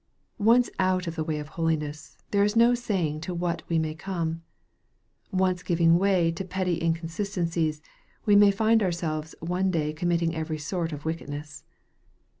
Once out of the way of holiness, there is no saying t what we may come. Once giving way to petty incon sistencies, we may find ourselves one day committing every sort of wickedness.